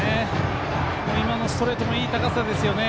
今のストレートもいい高さですよね。